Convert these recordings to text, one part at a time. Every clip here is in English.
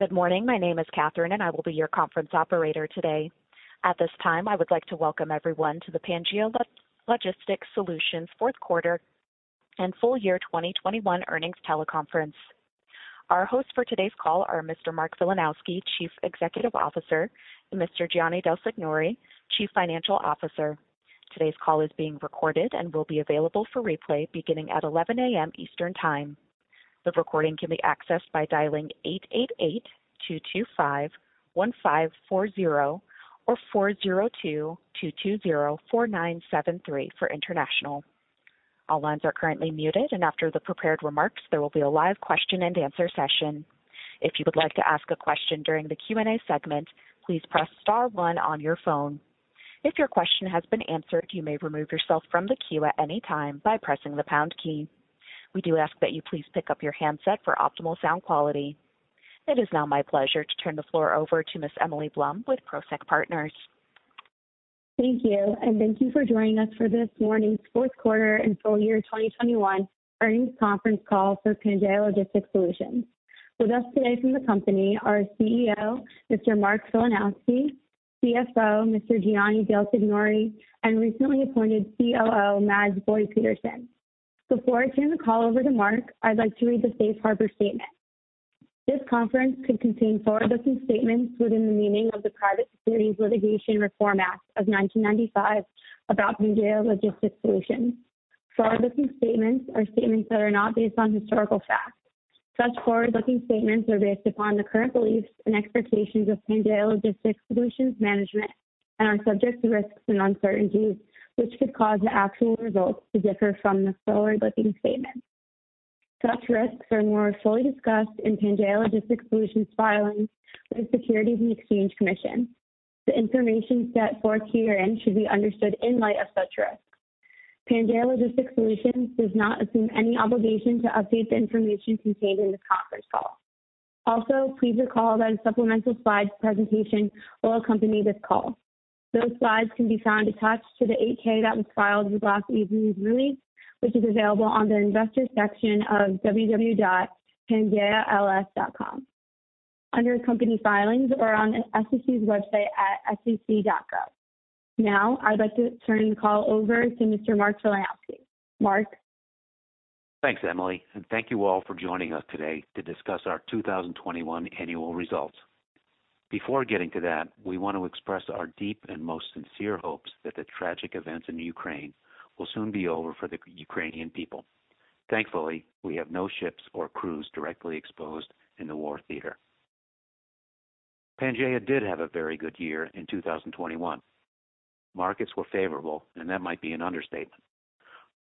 Good morning. My name is Catherine, and I will be your conference operator today. At this time, I would like to welcome everyone to the Pangaea Logistics Solutions Fourth Quarter and Full Year 2021 Earnings Teleconference. Our hosts for today's call are Mr. Mark Filanowski, Chief Executive Officer, and Mr. Gianni Del Signore, Chief Financial Officer. Today's call is being recorded and will be available for replay beginning at 11:00 A.M. Eastern Time. The recording can be accessed by dialing 888-225-1540 or 402-220-4973 for international. All lines are currently muted, and after the prepared remarks, there will be a live question-and-answer session. If you would like to ask a question during the Q&A segment, please press star one on your phone. If your question has been answered, you may remove yourself from the queue at any time by pressing the pound key. We do ask that you please pick up your handset for optimal sound quality. It is now my pleasure to turn the floor over to Ms. Emily Blum with Prosek Partners. Thank you, and thank you for joining us for this morning's Fourth Quarter and Full Year 2021 Earnings Conference call for Pangaea Logistics Solutions. With us today from the company are CEO, Mr. Mark Filanowski, CFO, Mr. Gianni Del Signore, and recently appointed COO, Mads Boye Petersen. Before I turn the call over to Mark, I'd like to read the Safe Harbor Statement. This call may contain forward-looking statements within the meaning of the Private Securities Litigation Reform Act of 1995 about Pangaea Logistics Solutions. Forward-looking statements are statements that are not based on historical facts. Such forward-looking statements are based upon the current beliefs and expectations of Pangaea Logistics Solutions management and are subject to risks and uncertainties, which could cause the actual results to differ from the forward-looking statements. Such risks are more fully discussed in Pangaea Logistics Solutions filings with the Securities and Exchange Commission. The information set forth herein should be understood in light of such risks. Pangaea Logistics Solutions does not assume any obligation to update the information contained in this conference call. Also, please recall that a supplemental slide presentation will accompany this call. Those slides can be found attached to the 8-K that was filed with last evening's release, which is available on the investor section of www.pangaea-ls.com, under company filings, or on SEC's website at sec.gov. Now, I'd like to turn the call over to Mr. Mark Filanowski. Mark. Thanks, Emily, and thank you all for joining us today to discuss our 2021 annual results. Before getting to that, we want to express our deep and most sincere hopes that the tragic events in Ukraine will soon be over for the Ukrainian people. Thankfully, we have no ships or crews directly exposed in the war theater. Pangaea did have a very good year in 2021. Markets were favorable, and that might be an understatement.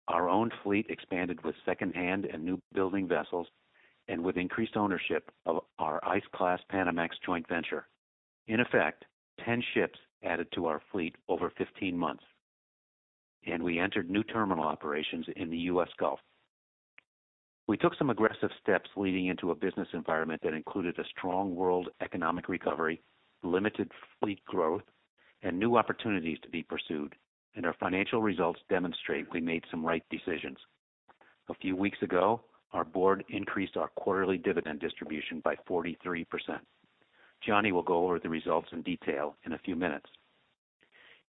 Our own fleet expanded with second-hand and newbuilding vessels and with increased ownership of our Ice-class Panamax joint venture. In effect, 10 ships added to our fleet over 15 months, and we entered new terminal operations in the U.S. Gulf. We took some aggressive steps leading into a business environment that included a strong world economic recovery, limited fleet growth, and new opportunities to be pursued, and our financial results demonstrate we made some right decisions. A few weeks ago, our board increased our quarterly dividend distribution by 43%. Gianni will go over the results in detail in a few minutes.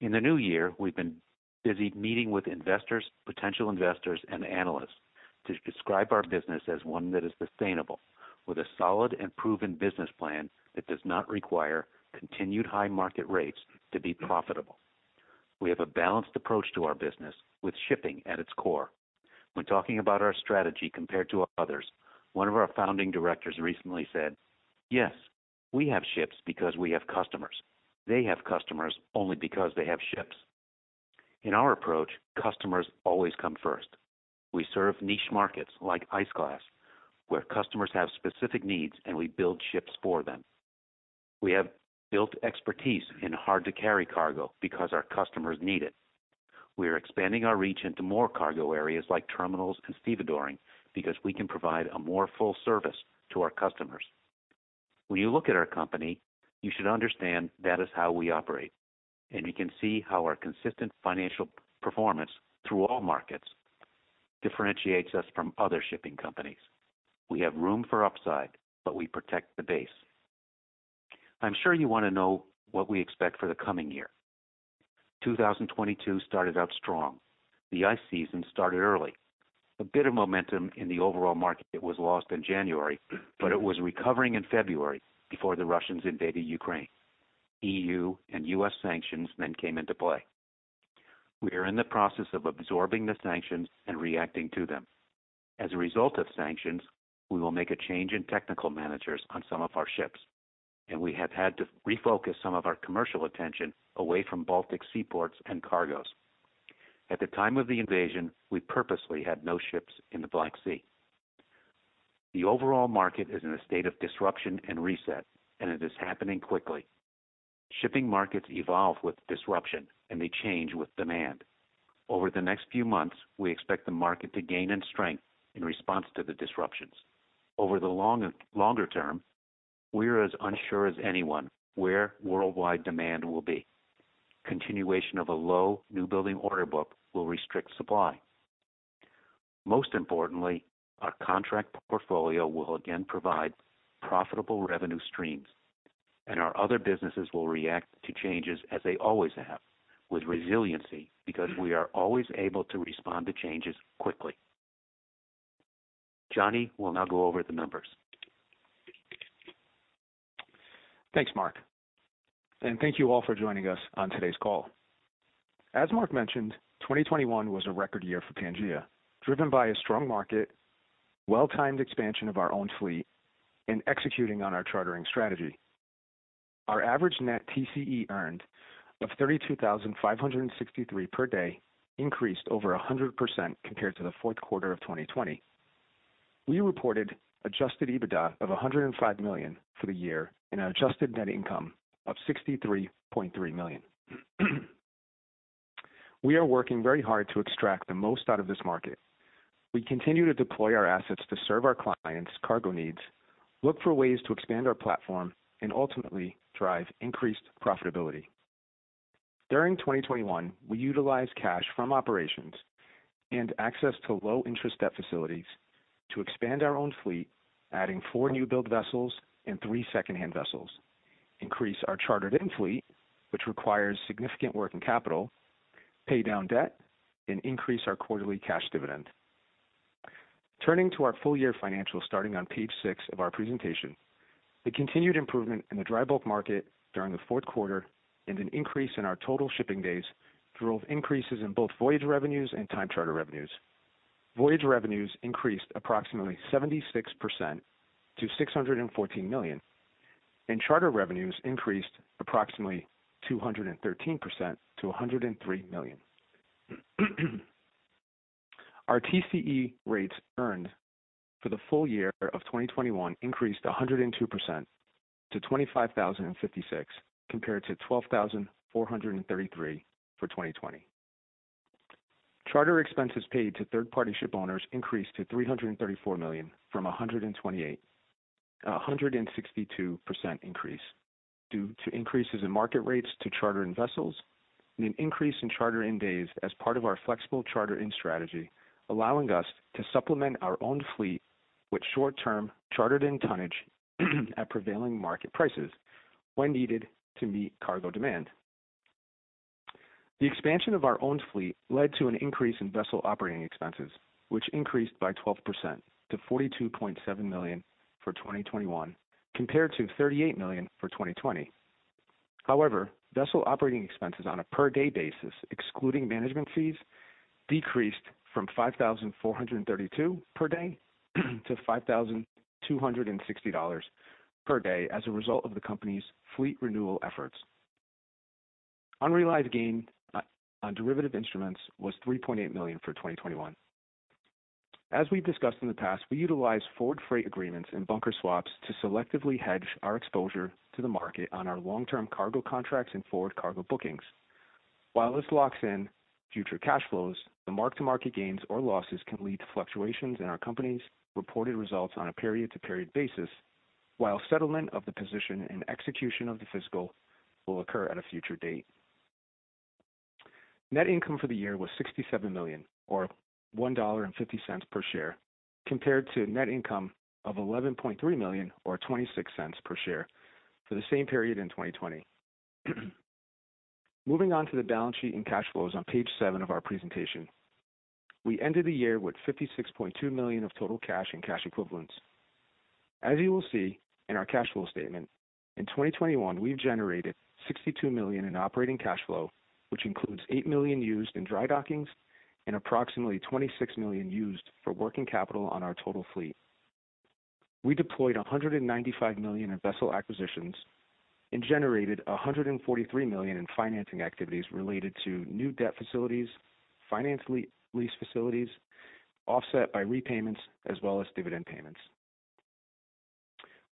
In the new year, we've been busy meeting with investors, potential investors, and analysts to describe our business as one that is sustainable, with a solid and proven business plan that does not require continued high market rates to be profitable. We have a balanced approach to our business with shipping at its core. When talking about our strategy compared to others, one of our founding directors recently said, "Yes, we have ships because we have customers. They have customers only because they have ships." In our approach, customers always come first. We serve niche markets like ice-class, where customers have specific needs, and we build ships for them. We have built expertise in hard-to-carry cargo because our customers need it. We are expanding our reach into more cargo areas like terminals and stevedoring because we can provide a more full service to our customers. When you look at our company, you should understand that is how we operate, and you can see how our consistent financial performance through all markets differentiates us from other shipping companies. We have room for upside, but we protect the base. I'm sure you want to know what we expect for the coming year. 2022 started out strong. The ice season started early. A bit of momentum in the overall market was lost in January, but it was recovering in February before the Russians invaded Ukraine. EU and U.S. sanctions then came into play. We are in the process of absorbing the sanctions and reacting to them. As a result of sanctions, we will make a change in technical managers on some of our ships, and we have had to refocus some of our commercial attention away from Baltic seaports and cargoes. At the time of the invasion, we purposely had no ships in the Black Sea. The overall market is in a state of disruption and reset, and it is happening quickly. Shipping markets evolve with disruption, and they change with demand. Over the next few months, we expect the market to gain in strength in response to the disruptions. Over the longer term, we are as unsure as anyone where worldwide demand will be. Continuation of a low newbuilding order book will restrict supply. Most importantly, our contract portfolio will again provide profitable revenue streams, and our other businesses will react to changes as they always have, with resiliency because we are always able to respond to changes quickly. Gianni will now go over the numbers. Thanks, Mark. And thank you all for joining us on today's call. As Mark mentioned, 2021 was a record year for Pangaea, driven by a strong market, well-timed expansion of our own fleet, and executing on our chartering strategy. Our average net TCE earned of $32,563 per day increased over 100% compared to the fourth quarter of 2020. We reported adjusted EBITDA of $105 million for the year and adjusted net income of $63.3 million. We are working very hard to extract the most out of this market. We continue to deploy our assets to serve our clients' cargo needs, look for ways to expand our platform, and ultimately drive increased profitability. During 2021, we utilized cash from operations and access to low-interest debt facilities to expand our own fleet, adding four new-build vessels and three second-hand vessels, increase our chartered-in fleet, which requires significant working capital, pay down debt, and increase our quarterly cash dividend. Turning to our full year financials starting on page six of our presentation, the continued improvement in the dry bulk market during the fourth quarter and an increase in our total shipping days drove increases in both voyage revenues and time charter revenues. Voyage revenues increased approximately 76% to $614 million, and charter revenues increased approximately 213% to $103 million. Our TCE rates earned for the full year of 2021 increased 102% to $25,056 compared to $12,433 for 2020. Charter expenses paid to third-party ship owners increased to $334 million from a 162% increase due to increases in market rates to chartered in vessels and an increase in charter in days as part of our flexible charter in strategy, allowing us to supplement our owned fleet with short-term chartered in tonnage at prevailing market prices when needed to meet cargo demand. The expansion of our owned fleet led to an increase in vessel operating expenses, which increased by 12% to $42.7 million for 2021 compared to $38 million for 2020. However, vessel operating expenses on a per-day basis, excluding management fees, decreased from $5,432 per day to $5,260 per day as a result of the company's fleet renewal efforts. Unrealized gain on derivative instruments was $3.8 million for 2021. As we've discussed in the past, we utilize forward freight agreements and bunker swaps to selectively hedge our exposure to the market on our long-term cargo contracts and forward cargo bookings. While this locks in future cash flows, the mark-to-market gains or losses can lead to fluctuations in our company's reported results on a period-to-period basis, while settlement of the position and execution of the physical will occur at a future date. Net income for the year was $67 million, or $1.50 per share, compared to net income of $11.3 million, or $0.26 per share, for the same period in 2020. Moving on to the balance sheet and cash flows on page seven of our presentation, we ended the year with $56.2 million of total cash and cash equivalents. As you will see in our cash flow statement, in 2021, we've generated $62 million in operating cash flow, which includes $8 million used in dry dockings and approximately $26 million used for working capital on our total fleet. We deployed $195 million in vessel acquisitions and generated $143 million in financing activities related to new debt facilities, finance lease facilities, offset by repayments, as well as dividend payments.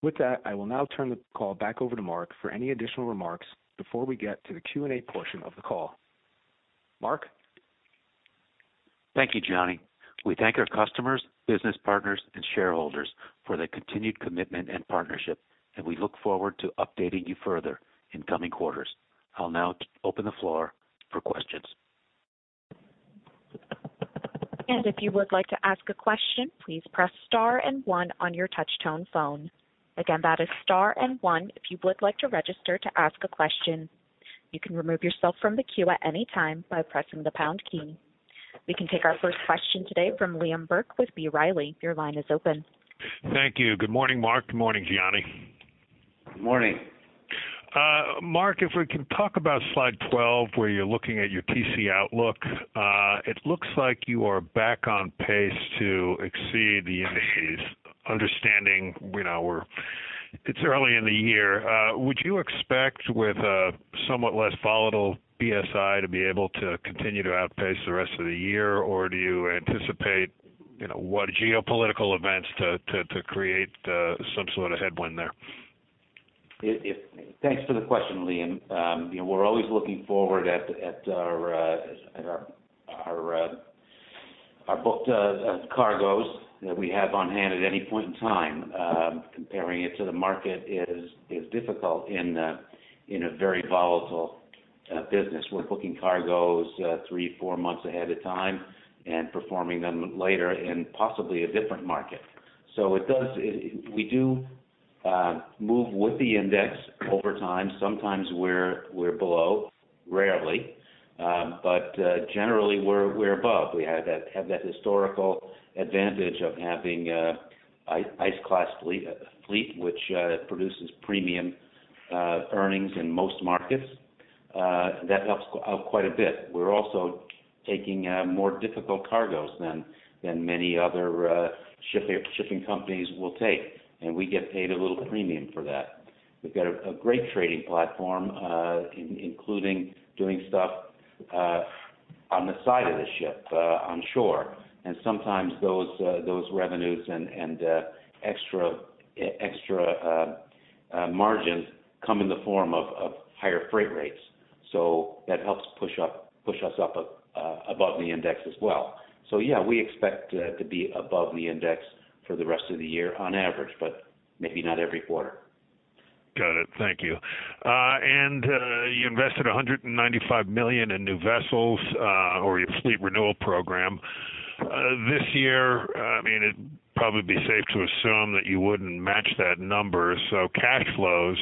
With that, I will now turn the call back over to Mark for any additional remarks before we get to the Q&A portion of the call. Mark? Thank you, Gianni. We thank our customers, business partners, and shareholders for their continued commitment and partnership, and we look forward to updating you further in coming quarters. I'll now open the floor for questions. If you would like to ask a question, please press star and one on your touch-tone phone. Again, that is star and one if you would like to register to ask a question. You can remove yourself from the queue at any time by pressing the pound key. We can take our first question today from Liam Burke with B. Riley. Your line is open. Thank you. Good morning, Mark. Good morning, Gianni. Good morning. Mark, if we can talk about slide 12, where you're looking at your TC outlook, it looks like you are back on pace to exceed the indices. Understanding it's early in the year, would you expect with a somewhat less volatile BSI to be able to continue to outpace the rest of the year, or do you anticipate geopolitical events to create some sort of headwind there? Thanks for the question, Liam. We're always looking forward at our booked cargoes that we have on hand at any point in time. Comparing it to the market is difficult in a very volatile business. We're booking cargoes three, four months ahead of time and performing them later in possibly a different market. So we do move with the index over time. Sometimes we're below, rarely, but generally we're above. We have that historical advantage of having an Ice-class fleet, which produces premium earnings in most markets. That helps out quite a bit. We're also taking more difficult cargoes than many other shipping companies will take, and we get paid a little premium for that. We've got a great trading platform, including doing stuff on the side of the ship on shore, and sometimes those revenues and extra margins come in the form of higher freight rates. So that helps push us up above the index as well. So yeah, we expect to be above the index for the rest of the year on average, but maybe not every quarter. Got it. Thank you. And you invested $195 million in new vessels or your fleet renewal program. This year, I mean, it'd probably be safe to assume that you wouldn't match that number. So cash flows,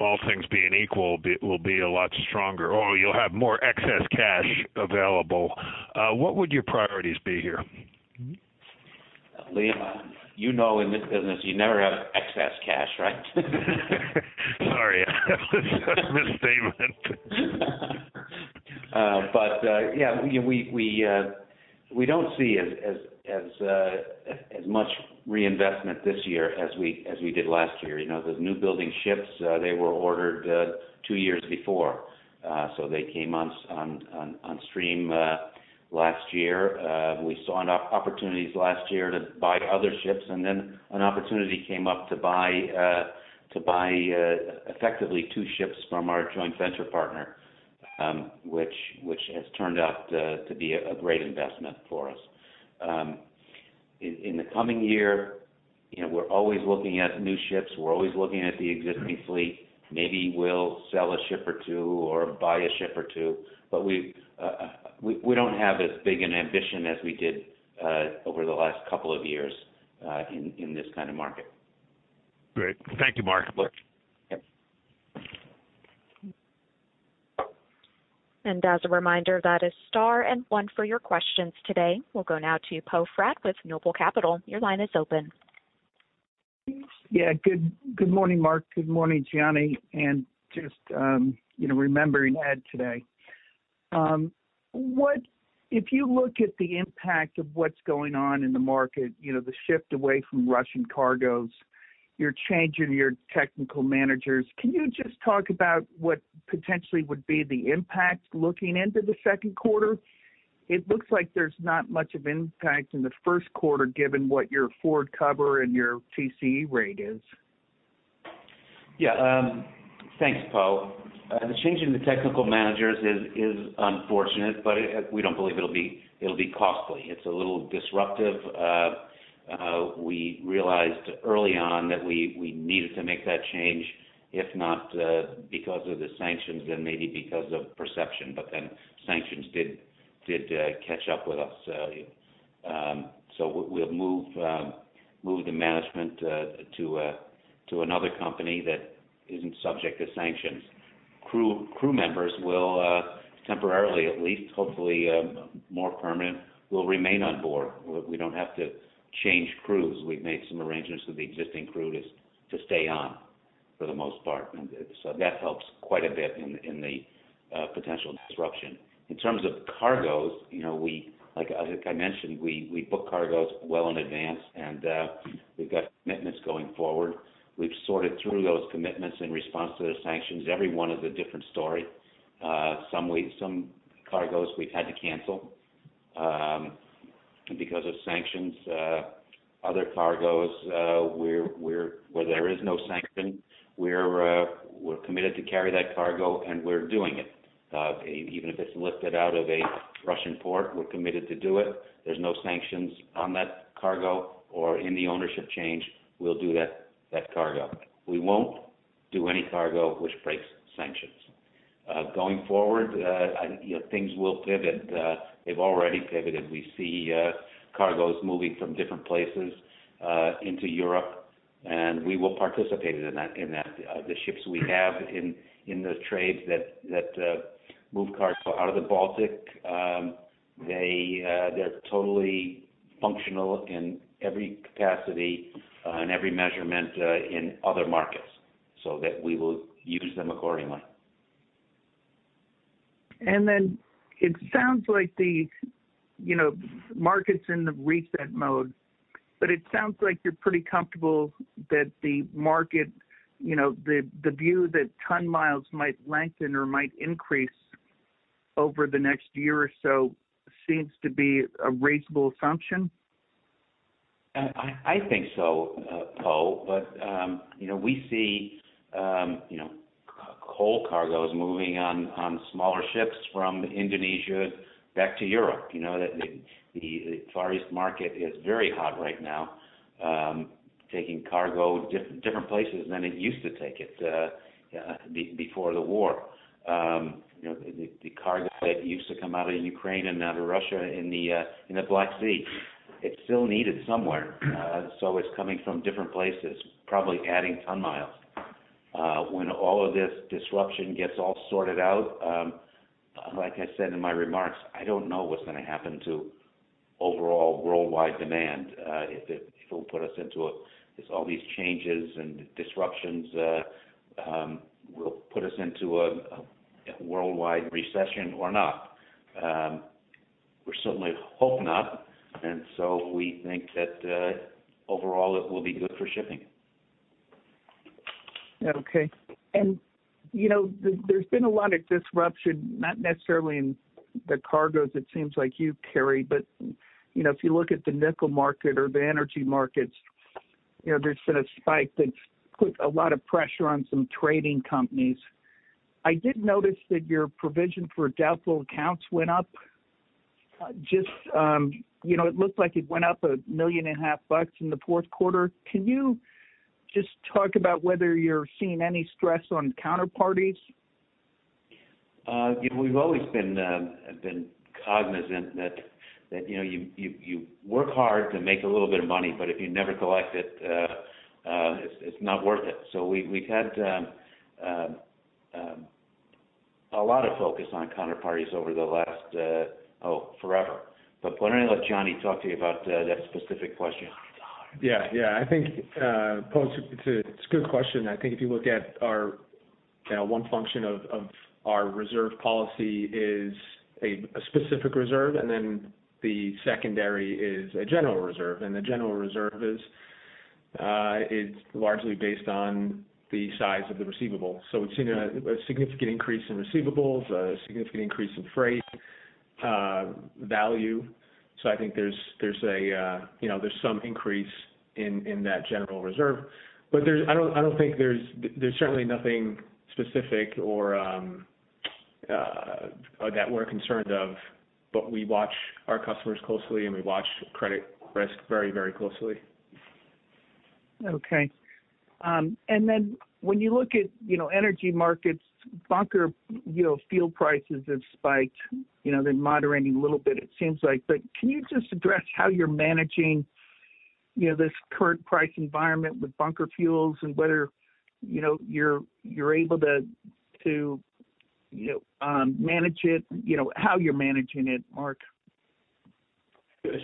all things being equal, will be a lot stronger, or you'll have more excess cash available. What would your priorities be here? Liam, you know in this business you never have excess cash, right? Sorry, misstatement. But yeah, we don't see as much reinvestment this year as we did last year. The newbuilding ships, they were ordered two years before, so they came on stream last year. We saw opportunities last year to buy other ships, and then an opportunity came up to buy effectively two ships from our joint venture partner, which has turned out to be a great investment for us. In the coming year, we're always looking at new ships. We're always looking at the existing fleet. Maybe we'll sell a ship or two or buy a ship or two, but we don't have as big an ambition as we did over the last couple of years in this kind of market. Great. Thank you, Mark. And as a reminder, that is star and one for your questions today. We'll go now to Poe Fratt with Noble Capital Markets. Your line is open. Yeah. Good morning, Mark. Good morning, Gianni. And just remembering Ed today. If you look at the impact of what's going on in the market, the shift away from Russian cargoes, you're changing your technical managers. Can you just talk about what potentially would be the impact looking into the second quarter? It looks like there's not much of an impact in the first quarter given what your forward cover and your TCE rate is. Yeah. Thanks, Poe. The change in the technical managers is unfortunate, but we don't believe it'll be costly. It's a little disruptive. We realized early on that we needed to make that change, if not because of the sanctions and maybe because of perception, but then sanctions did catch up with us. So we'll move the management to another company that isn't subject to sanctions. Crew members will temporarily, at least, hopefully more permanent, will remain on board. We don't have to change crews. We've made some arrangements with the existing crew to stay on for the most part. So that helps quite a bit in the potential disruption. In terms of cargoes, like I mentioned, we book cargoes well in advance, and we've got commitments going forward. We've sorted through those commitments in response to the sanctions. Every one is a different story. Some cargoes we've had to cancel because of sanctions. Other cargoes, where there is no sanction, we're committed to carry that cargo, and we're doing it. Even if it's lifted out of a Russian port, we're committed to do it. There's no sanctions on that cargo or in the ownership change. We'll do that cargo. We won't do any cargo which breaks sanctions. Going forward, things will pivot. They've already pivoted. We see cargoes moving from different places into Europe, and we will participate in that. The ships we have in the trade that move cargo out of the Baltic, they're totally functional in every capacity and every measurement in other markets so that we will use them accordingly. It sounds like the market's in the reset mode, but it sounds like you're pretty comfortable that the market, the view that ton miles might lengthen or might increase over the next year or so, seems to be a reasonable assumption. I think so, Poe, but we see coal cargoes moving on smaller ships from Indonesia back to Europe. The Far East market is very hot right now, taking cargo different places than it used to take it before the war. The cargo that used to come out of Ukraine and out of Russia in the Black Sea, it still needed somewhere. So it's coming from different places, probably adding ton miles. When all of this disruption gets all sorted out, like I said in my remarks, I don't know what's going to happen to overall worldwide demand. If it will put us into all these changes and disruptions, will it put us into a worldwide recession or not? We certainly hope not. And so we think that overall it will be good for shipping. Okay. And there's been a lot of disruption, not necessarily in the cargoes it seems like you carry, but if you look at the nickel market or the energy markets, there's been a spike that's put a lot of pressure on some trading companies. I did notice that your provision for doubtful accounts went up. Just it looked like it went up $1.5 million in the fourth quarter. Can you just talk about whether you're seeing any stress on counterparties? We've always been cognizant that you work hard to make a little bit of money, but if you never collect it, it's not worth it. So we've had a lot of focus on counterparties over the last, oh, forever. But let me let Gianni talk to you about that specific question. Yeah. Yeah. I think, Poe, it's a good question. I think if you look at our one function of our reserve policy is a specific reserve, and then the secondary is a general reserve. And the general reserve is largely based on the size of the receivable. So we've seen a significant increase in receivables, a significant increase in freight value. So I think there's some increase in that general reserve. But I don't think there's certainly nothing specific or that we're concerned of, but we watch our customers closely and we watch credit risk very, very closely. Okay. And then when you look at energy markets, bunker fuel prices have spiked. They're moderating a little bit, it seems like. But can you just address how you're managing this current price environment with bunker fuels and whether you're able to manage it, how you're managing it, Mark?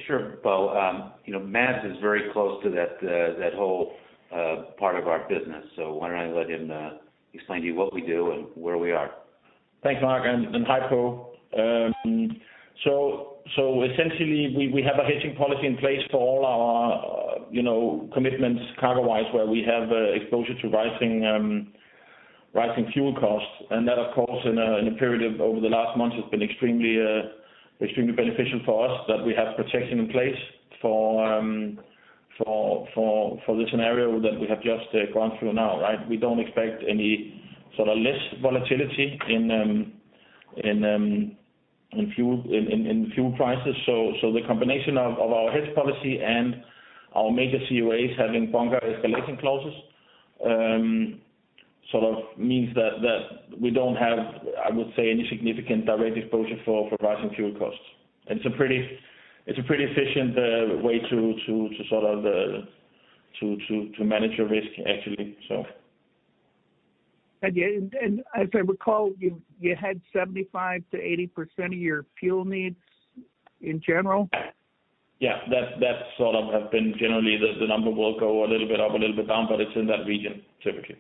Sure. Poe, Mads is very close to that whole part of our business, so why don't I let him explain to you what we do and where we are. Thanks, Mark. And hi, Poe. So essentially, we have a hedging policy in place for all our commitments cargo-wise where we have exposure to rising fuel costs. And that, of course, in a period over the last month, has been extremely beneficial for us that we have protection in place for the scenario that we have just gone through now, right? We don't expect any sort of less volatility in fuel prices. So the combination of our hedge policy and our major COAs having bunker escalating clauses sort of means that we don't have, I would say, any significant direct exposure for rising fuel costs. And it's a pretty efficient way to sort of manage your risk, actually, so. As I recall, you had 75%-80% of your fuel needs in general? Yeah. That sort of has been generally the number will go a little bit up, a little bit down, but it's in that region, typically.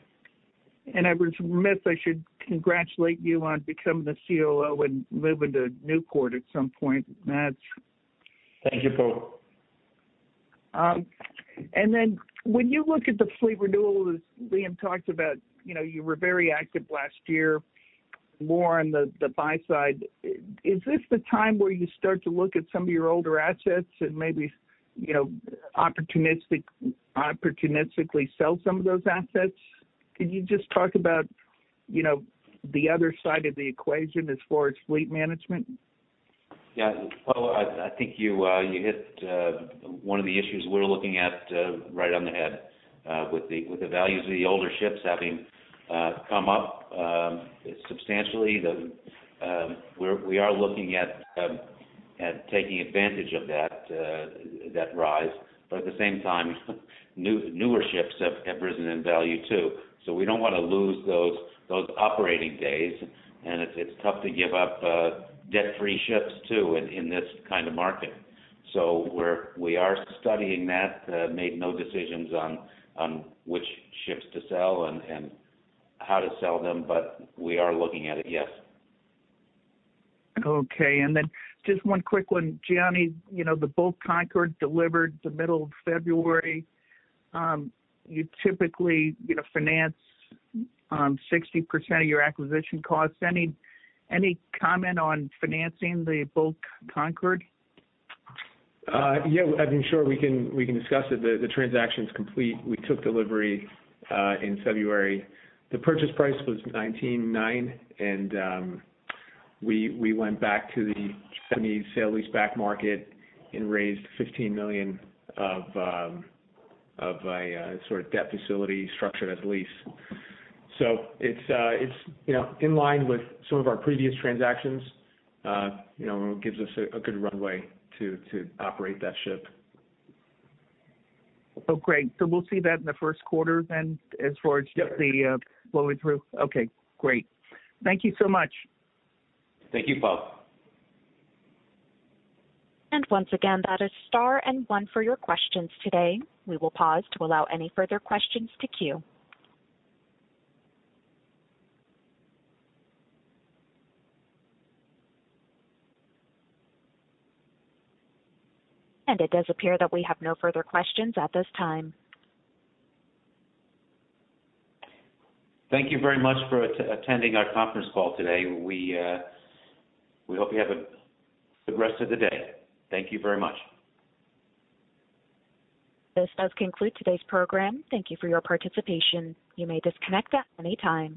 I was remiss. I should congratulate you on becoming a COO and moving to Newport at some point. Mads. Thank you, Poe. And then when you look at the fleet renewals, Liam talked about you were very active last year, more on the buy side. Is this the time where you start to look at some of your older assets and maybe opportunistically sell some of those assets? Can you just talk about the other side of the equation as far as fleet management? Yeah. Poe, I think you hit one of the issues we're looking at right on the head with the values of the older ships having come up substantially. We are looking at taking advantage of that rise. But at the same time, newer ships have risen in value too. So we don't want to lose those operating days. And it's tough to give up debt-free ships too in this kind of market. So we are studying that, made no decisions on which ships to sell and how to sell them, but we are looking at it, yes. Okay. And then just one quick one. Gianni, the Bulk Concord delivered in the middle of February. You typically finance 60% of your acquisition costs. Any comment on financing the Bulk Concord? Yeah. I mean, sure, we can discuss it. The transaction's complete. We took delivery in February. The purchase price was $19.9 million, and we went back to the Japanese sale-leaseback market and raised $15 million of a sort of debt facility structured as lease. So it's in line with some of our previous transactions and gives us a good runway to operate that ship. Oh, great. So we'll see that in the first quarter then as far as the flowing through? Yep. Okay. Great. Thank you so much. Thank you, Poe. And once again, that is star and one for your questions today. We will pause to allow any further questions to queue. And it does appear that we have no further questions at this time. Thank you very much for attending our conference call today. We hope you have a good rest of the day. Thank you very much. This does conclude today's program. Thank you for your participation. You may disconnect at any time.